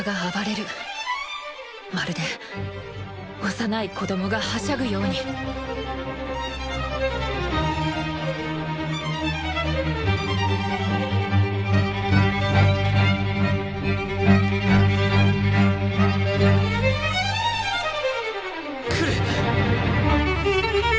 まるで幼い子供がはしゃぐように来る！